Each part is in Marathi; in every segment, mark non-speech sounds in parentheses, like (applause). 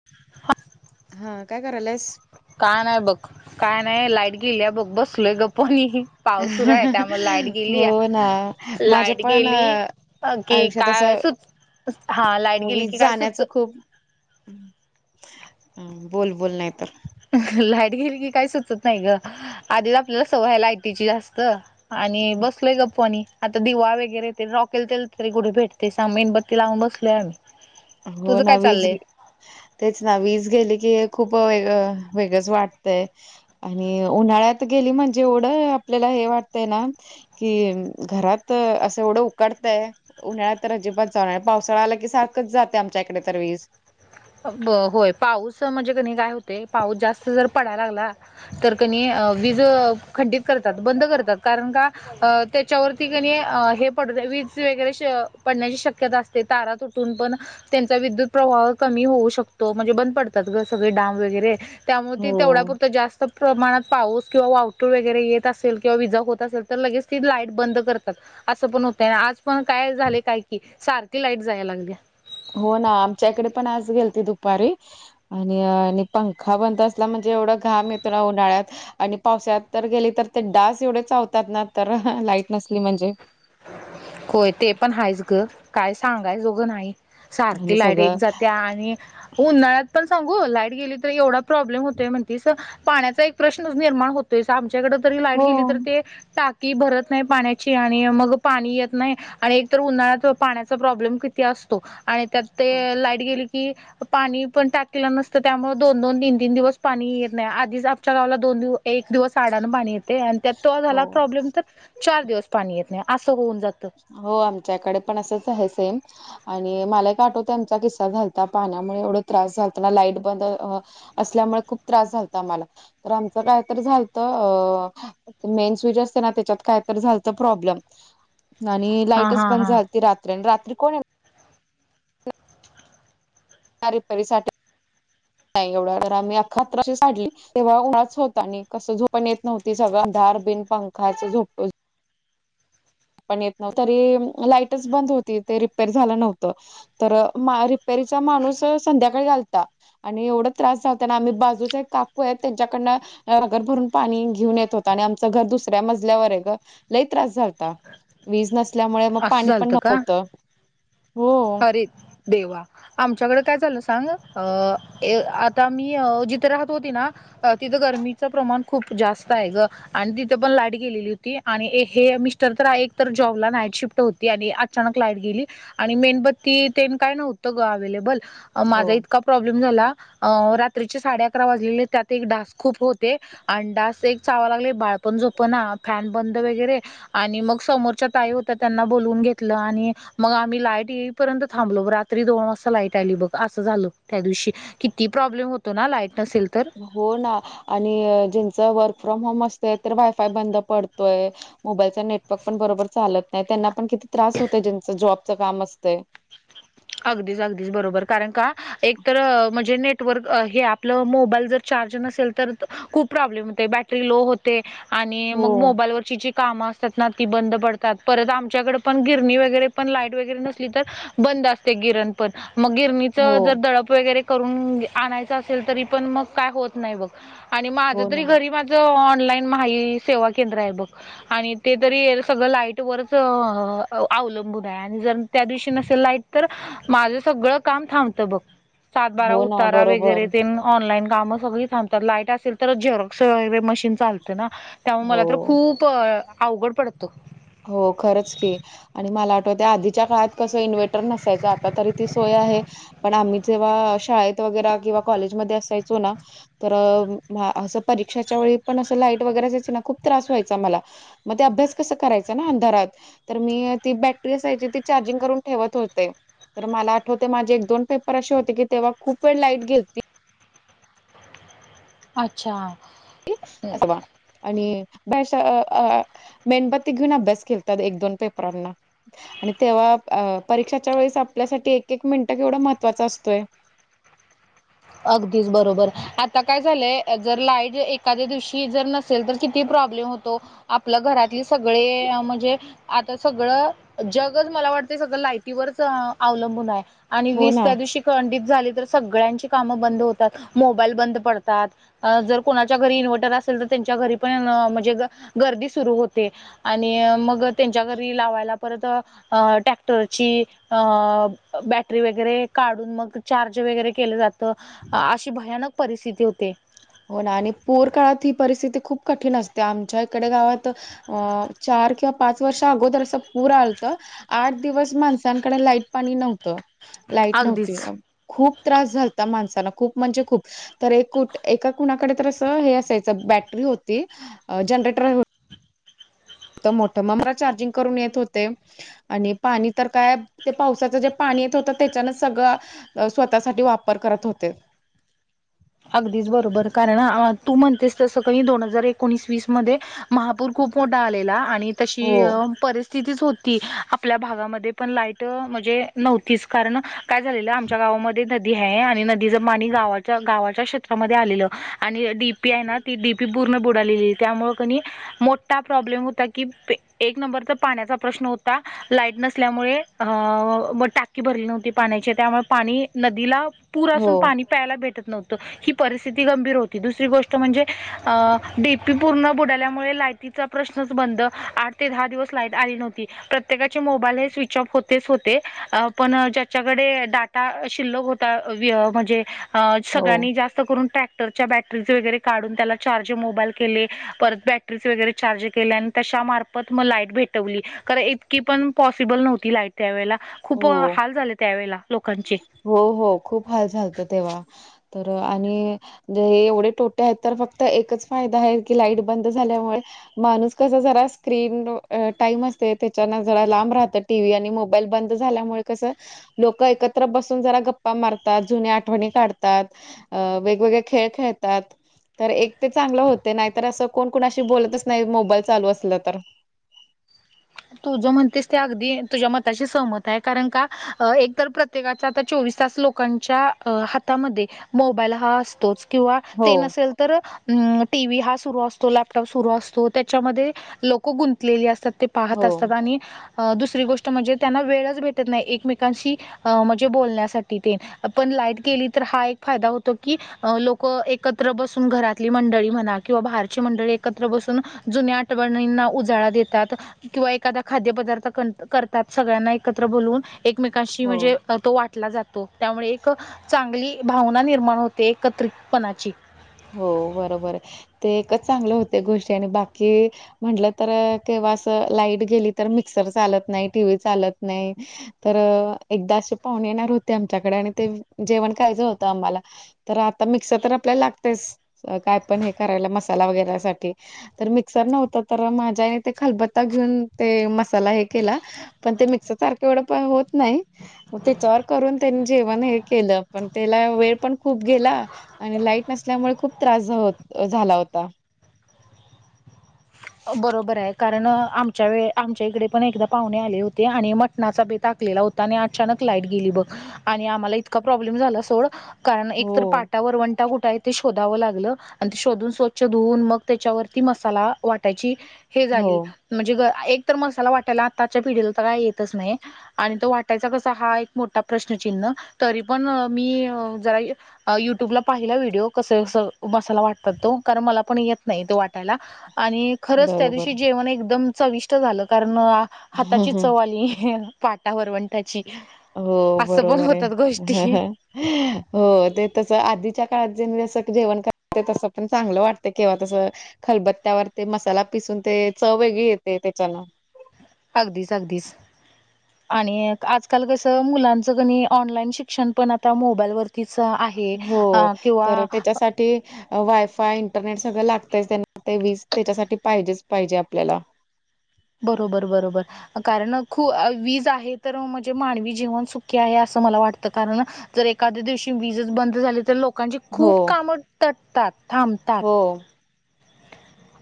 (unintelligible) हा काय कराल्यास. काय नाही बघ काय नाही लाईट गेल्या बघ बसलोय गप्प वाणी. पाऊस सुरू आहे त्यामुळे लाईट गेली हो ना माझ्या लाईट पण गेली अ, अ की आयुष्यात काय असं सुच हा लाईट गेली की काय सुच हम हम्म बोल बोल नाही तर अह लाईट गेली की काही सुचत नाही ग आधीच आपल्याला सवय हाय लाईटीची जास्त. आणि बसलोय गप्प वाणी आता दिवा वगैरे ते रॉकेल तेल तरी कुठ भेट ते सा मेणबत्ती लावून बसलोय आम्ही. हो तुझं ना काय वीज चाललंय गे तेच ना वीज गेली की खूप वेग वेगळच वाटतंय. आणि उन्हाळ्यात गेली म्हणजे एवढं आपल्याला हे वाटतय ना. कि घरात असं एवढं उकडतय. उन्हा्या तर अजिबात जाऊन पावसाळा आला की सारखंच जाते आमच्या इकडे तर वीज. ब होय पाऊस म्हणजे कणी काय होते पाऊस जास्त जर पडायला लागला‌ तर कणी वीज खंडित करतात बंद करतात कारण का. अ त्याच्यावरती कणी हे पड वीज वगैरे पडण्याची शक्यता असते तारा तुटून पण. त्यांचा विद्युत प्रवाह कमी होऊ शकतो म्हणजे बंद पडतात सगळे डाम वगैरे त्यामुळे हो तेवढ्यापुरत जास्त त प्रमाणात पाऊस किंवा वावटूळ वगैरे येत असेल किंवा विजा होत असेल तर लगेच ती लाईट बंद करतात‌. असं पण होतय आज पण काय झाले काय की सारखी लाईट जायला लागली. हो ना आमच्याकडे पण आज गेलते दुपारी आणि आणि पंखा बंद असला म्हणजे एवढा घाम येतो ना उन्हाळ्यात आणि पावसात तर गेले तर ते डास एवढे चावतात ना तर लाईट नसली म्हणजे. होय ते पण हायच ग काय सांगाय जोघं नाही. आणि सारखी लाईट एक सगळं जात्या आणि उन्हाळ्यात पण सांगू लाईट गेली तर एवढा प्रब्लेम होत म्हण पाण्याचा एक प्रश्न निर्माण होत‌ आमच्याकड तरी लाईट हो गेली तर ते टाकी भरत नाही पाण्याची आणि मग पाणी येत नाही आणि एक तर उन्हाळ्यात पाण्याचा प्रॉब्लेम असतो आणि त्यात ते लाईट गेली‌ कि पाणी पण टाकलेलं नसतं त्यामुळे दोन दोन तीन तीन दिवस पाणी येेत नाही आधीच आपच्या गावला दोन दिव एक दिवस. काडान पाणी येते आणि त्यात तो हो झाला प्रॉब्लेम तर चार दिवस पाणी येत नाही असं होऊन जातं. हो आमच्याकडे पण असंच आहे सेम. आणि मलाय काठो त्यांचा किस्सा झालता पाण्यामुळे एवढा त्रास झालतना लाईट बंद असल्यामुळे खूप त्रास झात आम्हाला तर आमचं काय तर झालत अ मेन स्वीच असते ना त्याच्यात काय तर झालतं प्रॉब्लेम. आणि हा लाईटच हा बंद हा झाली त रात्री आणि रात्री कोण रिपेरी साठी एवढ जम अखली तेव्हा उच होत आणि कस झोपण येत नव्हती सगळधार बिनं. खाच झोप. पण य लाईटच बंद होती ते रिपेर झालं नव्हत तर. रीचा माणूस संध्याकाळी घाल आणि एवढं त्रास झाालताना आम्ही बाजूचे काकू आहेत त्यांच्याकडन. घर भरून पाणी घेऊन येत होत आणि आमचं घर दुसऱ्या मजल्यावर ग लई त्रास झाता. वीज नसल्यामुळे मग असं पाणी पण झालतं का? नव्हतं हो. अरे देवा. आमच्याकडे काय झालं सांग अ आता आम्ही जिथे राहत होती ना. अ तिथं गरमीचं प्रमाण खूप जास्त आहे ग. आणि तिथे पण लाईट गेलेली होती आणि हे मिस्टर तर एक तर जॉबला नाईट शिफ्ट हो आणि अचान लाईट गेली आणि मेणबत्ती काय नव्हतं ग अवेलेबल हो माझा इतका प्रॉब्लेम झाला रात्रीचे साडे अकरा वाजलेले त्यात एक डास खूप होते. आणि डास एक चावा लागले बाळ. पण झोप ना फॅन बंद वगैरे आणि मग समोरच्या ताई हो तर त्यांना बोलवून घेतलं आणि मग आम्ही लाईट येईपर्यंत थांबलो रात्री दोन वाजता लाईट आली बघ असं झालं. त्या दिवशी किती प्रॉब्लेम होतो ना लाईट नसेल तर. हो ना आणि ज्यांचं वर्क फ्रॉम होम असतय तर वायफाय बंद पडतोय. मोबाईलचा नेटवर्क पण बरोबर चालत नाही त्यांना पण किती त्रास होत ज्यांचं जॉबचं काम असतं. अगदीच अगदीच बरोबर कारण का एक तर म्हणजे नेटवर्क हे आपलं मोबाईल जर चार्ज नसेल तर खूप प्रॉब्लेम होते बॅटरी लो होते आणि हो मग मोबाईलवरची जी कामं असतात ना ती बंद पडतात परत आमच्याकडं पण गिरणी वगैरे पण लाईट वगैरे नसली तर बंद असते गिरण पण मग गिरणीच हो. जर दडप वगैरे. करन आणाय असेल तरी पण मग काय होत नाही ब आणि माझ हो ना तरी घरी. ऑनलाईन माही सेवा केंद्र आहे बघ. आणि ते तरी सगळं लाईट वरच अवलंबून आहे आणि जर, त्या दिवशी नसेल लाईट तर माझं सगळं काम थांबतं बघ. सात बारा हो ना उतारा बरोबर वगैरे ते ऑनलाईन कामं सगळी थांबतात लाईट असेल तरच झेरोक् मशीन. चालत ना त्यामुळे मला तर हो. खूप अवघड पडतो. हो खरंच केी. आणि मला वाठवत आधीच्या काळात कसं इन्व्टर नसायचं आता तरी ती सोय आहे. पण आम्ही जेव्हा शाळेत वगैरे किंवा कॉलेजमध्ये असायचो ना. तर असं परीक्षाच्या वेळी पण असं लाईट वगैरे जायच ना खूप त्रास व्हायचा मला. मध्ये अभ्यास कस करायच. अंधारात तर मी ती बॅटरी असायची ती चार्जिंग करून ठेवत होते. तर मला आठवते माझे एक दोन पेपर असे होते की तेव्हा खूप वेळ लाईट गेल. अच्छा. अस वा. आणि ब मेणबत्ती घेऊन अभ्यास केतात एक दोन पेपरांना. आणि तेव्हा परीक्षाच्या वेळेस आपल्यासाठी एक एक मिनिटं केवढं महत्त्वाचं असतोय. अगदीस बरोबर. आता काय झालंय जर लाईट एखाद्या दिवशी जर नसेल तर किती प्रॉब्लेम होतो. आपलं घरातले सगळे म्हणजे, आता सगळं जगच मला वाटत सगळं लायटीवरच अवलंबून आहे. आणि हो वीस ना. त्या दिवशी खंडित झाली तर सगळ्यांची कामं बंद होतात मोबाईल बंद पडतात. अ जर कोणाच्या घरी इन्व्हटर असेल तर त्यांच्या घरी पण म्हणजे गर्दी सुरु होते. आणि मग त्यांच्या घरी लावायला परत अ टॅक्टरची. अ बॅटरी वगैरे काढून मग चार्ज वगैरे केले जात. तर अशी भयानक परिस्थिती होते. हो ना आणि पोर काळात ही परिस्थिती खूप कठीण असते आमच्या इकडे गावात अ चार किंवा पाच वर्ष अगोदर अस पुूर आलतं. आठ दिवस माणसांकडे लाईट पाणी नव्हतं. लाईट नव्हती अगदीच खूप त्रास झाल माणसाना खूप म्हणजे खूप तर एक कुठ. एका कुणाकडे तर असं हे असायचं बॅटरी होती जनरेटर. मोठ मग मला चार्जिंग करून येत होते. आणि पाणी तर काय ते पावसाचं जे पाणी येत होत त्याच्यान सगळं स्वतःसाठी वापर करत होते. अगदीच बरोबर कारण तू म्हणतेस तसं काही दोन हजार एकोणीस वीस मध्ये महापूर खूप मोठा आलेला आणि तशी हो परिस्. स्थितीच होती आपल्या भागामध्ये पण लाईट म्हणजे नव्हती तीच कारण काय झालेलं आमच्या गावामध्ये नदी आहे आणि नदीच पाणी गावाच्या गावा क्षेत्रामध्ये आलेलं आणि डीपी आहे ना ती डीपी पूर्ण बुडालेली त्यामुळे कणी मोठा प्रॉब्लेम होता की एक नंबरचा पाण्याचा प्रश्न होता. लाईट नसल्यामुळे अ मग टाकी भरली नव्हती पाण्याचे त्यामुळे पाणी नदीला पुर हो असून पाणी प्यायला भेटत नव्हं. ही परिथिती गंभीर होती दु गोष्ट म्हणजेडीपी पूर्ण बुडल्यामुळे प्रश्नच बंद आठ ते दहा दिवस ला आली नव्हती प्रत्येकाचे मोबाईल हे स्विच ऑफ हो तेच होते पण ज्याच्याकडे डाटा शिल्लक होता म्हणजे, हो सगळ्यांनी जास्त करून ट्रॅक्टरच्या बॅटरीज वगैरे काढून त्याला चार्ज मोबाईल केले परत बॅट बरी वगैरे चार्ज केल्या त्याच्यामार्फत मग लाईट भेटवली कार इतकी पण, पॉसिबल नव्हती लाईट त्यावेळेला खूप हो हाल झाले त्यावेळेला लोकांचे. हो हो खूप हाल झाचालतं तेव्हा तर आणि,, म्हे एवढे टोटे आहेत तर फक्त एकच फायदा आहे की लाईट बंद झाल्यामुळे माणूस कस जरा स्क्रीन टाईम असते, त्याच्यान जरा लांब राहते. टी व्ही आणि मोबाईल बंद झाल्यामुळे कसं लोक एकत त्र बसून जरा गप्पा मारतात. जुने आठवणी काढतात, अ वेगवेगळे खेळ खेळतात. तर एक ते चांगलं होत. नाहीतर असं कोण कोणाशी बोलतच नाही मोबाईल चालू असलं तर. तुझ म्हणतेस ते अगदी तुझ्या मताशी सहमत आहे. कारण का एक तर प्र त्येकाचा आता चोवीस तास लोकांच्या हातामध्ये मोबाईल हा असतोच. किंवा हो ते नसेल तर, अं टी व्ही हा सुरु असतो लॅपटॉप सुरू असतो त्याच्यामध्ये लोक गुंतलेली असतात. ते पाहत हो असतात आणि अं दुसरी गोष्ट म्हणजे त्यांना वेळच भेटत नाही, एकमेकांशी अ म्हणजे बोलण्यासाठी तेन. पण लाईट गेली तर हा एक फायदा होतो की, अ लोक एकत्र बसून घरातली मंडळी म्हणा किंवा बाहेरची मंडळी एकत्र बसून जुन्या आठ टवणींना उजाळा देतात. किंवा एखादा खाद्यपदार्थ कण करतात सगळ्यांना एकत्र बोलवून एकमेकांशी हो म्हणजे, अ तो वाटला जातो. त्यामुळे एक चांगली भावना निर्माण होते एकत्रितपणाची. हो बरोबर आहे. ते एकच चांगलं होते गोष्टी आणि बाकी म्हटलं तर केव्हा अस लाईट गेली तर मिक्सर चालत नाही टी व्ही चालत नाही. तर एकदा असे पाहुने येणार होते आमच्याकडे आणि ते जेवण खयचं होतं आम्हाला, तर आता मिक्सर तर आपल्याला लागतेच काय पण हे करायला मसाला वगैरेसाठी. तर मिक्सर नव्हत तर माझ्या आईने ते खलबत्ता घेऊन ते मसाला हे केला. पण ते मिक्सर सारखं एवढं प होत नाही. म तेच्यावर करून त्यांनी जेवण हे केलं पण त्याला वेळ पण खूप गेला आणि लाईट नसल्यामुळे खूप त्रास झो झाला होता. बरोबर आहे. कारण आमच्या वे आमच्या इकडे पण एकदा पाहुणे आले होते आणि म टनाचा बेत आखलेला होता आणि अचानक लाईट गेली बघ. आणि आम्हाला इतका प्रॉब्लेम झाला सोड. कारण एक तर हो, पाटा वरवंटा कुठाय ते शोधावं लागलं. अन ते शोधून, स्वच्छ धुवून मग त्याच्यावरती मसाला वाटायची हे हो. झाली. म्हणजे ग एक तर मसाला वाटायला आत्ताच्या पिढीला तर काय येतच नाही. आणि तो वाटायचा कसा? हा एक मोठा प्रश्नचिन्ह तरी पण अ मी जरा युट्यूबला पाहिला व्हिडिओ कस असं मसाला वाटतात तो. कारण मला पण येत नाही तो वाटायला. आणि खरंच त्या बरोबर. दिवशी जेवण एकदम चविष्ट झालं. कारण हाताची चव आली. पाट टा वरवंटाची, हो, असं पण बरोबर आहे. होतात गोष्टी. (unintelligible) हो ते तसं आधीच्या काळात ज जसं जेवण करते तसं पण चांगलं वाटते. केव्हा तसं खलबत्त्यावर ते मसाला पिसून ते चव वेगळी येते त्याच्यान. अगदीच अगदीच. आणि एक आजकाल कसं, मुलांचं कणी ऑनलाईन शिक्षण पण आता मोबाईलवरतीच आहे. हो. अ तर किंवा त्याच्यासाठी टी वायफाय इंटरनेट सगळं लागतच त्यांना. ते वीज त्याच्यासाठी पाहिजेच पाहिजे आपल्याला. बरोबर बरोबर. कारण खू वीज आहे तर म्हणजे मानवी जीवन सुखी आहे असं मला वाटतं. कारण जर एखाद्या दिवशी वजच बंद झाली, तर लोकांची हो, खूप कामं तटतात, थांबतात. हो.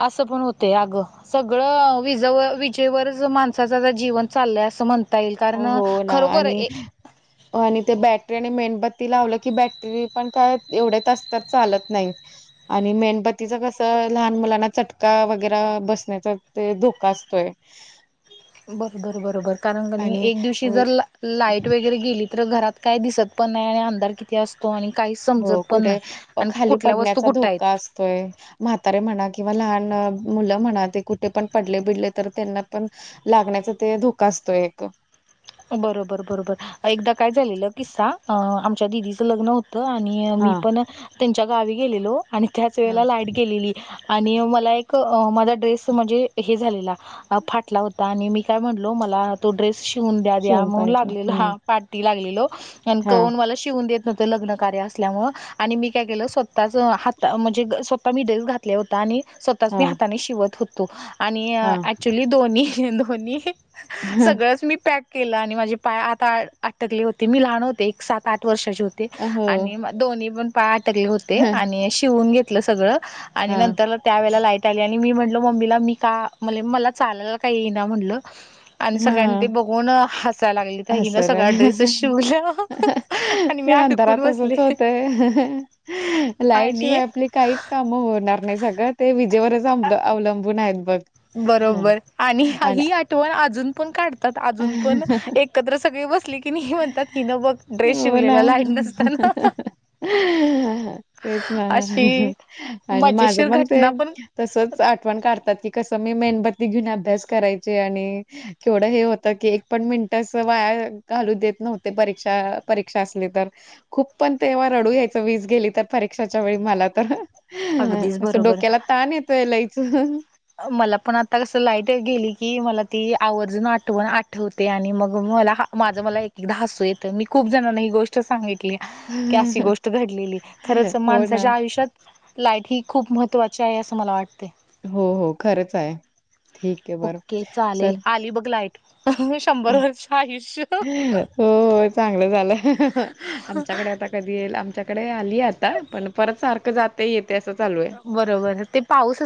असं पण होतय अगं. सगळं विजव विजेवरच माणसाचा जीवन चाललंय असं म्हणता येईल. कारण ना खरोखर आणि (inaudible) हो, आणि ते बॅटरी आणि मेणबत्ती लावलं की बॅटरी पण काय एवढे तास तर असत चालत नाही. आणि मेणबतीच कसं लहान मुलांना चटका वगेरा बसण्याचा ते धोका असतोय. बरोबर बरोबर कारण कनी आणि एक दिवशी जर ल लाईट वगैरे गेली तर घरात काही दिसत पण नाही आणि अंधार किती अस तो आणि काही हो समजत पण कुठे नाही अन खाली कुठल्या वस्तू पडण्याचा कुठ आहेत. (unintelligible) म्हातारे म्हणा किंवा लहान मुलं म्हणा ते कुठे पण पडले बिडले तर त्यांना पण लागण्याचा ते धोका असतो एक. बरोबर बरोबर एकदा काय झालेलं किस्सा आमच्या दिदीचं लग्न हो (unintelligible) आणि मी हा पण त्यांच्या गावी गेलेलो आणि त्याच हा वेळेला लाईट गेलेली. आणि मला एक माझा ड्रेस म्हणजे हे झालेला. फाटला होता आणि मी काय म्हणलो मला तो ड्रेस शिवून द्या द्या शिवून म्हणून पाहिजे लागलेला हम्म हा पाठी लागलेलो आणि हा कोण मला शिवून देत नव्हतं लग्न कार्य असल्यामुळ. आणि मी काय केलं स्वतःच हात म्हणजे स्वतः मी ळेस घातले होता आणि स्वतःच हा मी हाताने शिवत होतो आणि हा ऍक्च्युली दोन्ही दोन्ही सगळंच मी पॅक केलं आणि माझे पाय आत आटकले होते मी लहान होते एक सात आठ वर्षाची हो ते आणि दोन्ही पण पाय आटकले होते हा आणि शिवून घेतलं सगळं. आणि नंतरला त्यावेेळेला लाईट आली आणि मी म्हटल मम्मीला मी का म्हणले मला चालायला का येई ना म्हटलं. आणि सगळ्यांनी ते हम्म. बघून हसायला लागली तर हिने सगळा ड्रेसेच शिवल्या आणि मी ते अंधारात अडकून बसले. तसंच लाईट आणि शिवाय आपली काहीच काम होणार नाही सगळं ते विजेवरच अवलंबून आहेत बघ. बरोबर आणि ही आठवण अजून पण काढतात अजून पण एक कत्र सगळी बसली हो ना. लाईट नसताना तेच ना अशी आणि मजेशीर माझं पण ते घटना तसच आठवण काढतात की कसं मी मेणबत्ती घेऊन अभ्यास करायचे आणि केवढं हे होतं की एक पण मिनिट अस वाया घालू देत नव्हते परीक्षा परीक्षा असली तर. खूप पण तेव्हा रडू यायचं वीज गेली तर परीक्षाच्या वेळी मला तर. अगदीच असं बरोबर डोक्याला ताण येतोय लईच. मला पण आता कसं लाईट गेली की मला ती आवर्जून आठवण आठवते आणि मग मला माझं मला एक एकदा हसू येतं मी खूप जणांना ही गोष् ट सांगितली गोष्ट घडलेली. खरच हो ना. माणसाच्या आयुष्यात लाईट ही खूप महत्त्वाची आहे असं मला वाटते. हो हो खरंच आहे. ठीक आहे बरं. ओके चालेल चल आली बघ लाईट. शंभर वर्ष आयुष्य हो चांगलं झालं. आमच्याकडे आता कधी येईल आमच्याकडे आली आता पण परत सारखं जाते येते असं चालूये. बरोबर ते पाऊस